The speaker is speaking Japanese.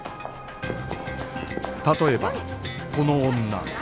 例えばこの女